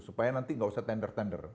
supaya nanti nggak usah tender tender